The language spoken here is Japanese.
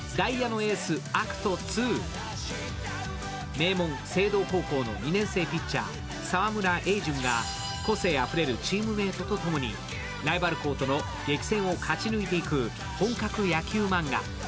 名門・青道高校の２年生ピッチャー、沢村栄純が個性あふれるチームメートとともにライバル校との激戦を勝ち抜いていく本格野球マンガ。